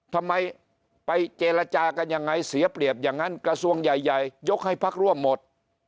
ทำไมไปเจรจากันยังไงเสียเปรียบอย่างนั้นกระทรวงใหญ่ยกให้พักร่วมหมด